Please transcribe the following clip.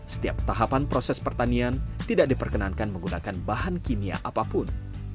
setiap tahapan proses pertanian tidak diperkenankan menggunakan bahan kimia apapun